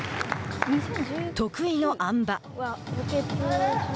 得意のあん馬。